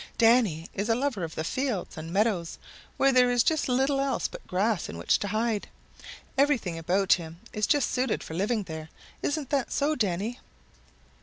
"Danny is a lover of the fields and meadows where there is little else but grass in which to hide. Everything about him is just suited for living there. Isn't that so, Danny?"